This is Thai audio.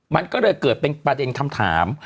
มันก็เลยเกิดเป็นประเด็นคำถาม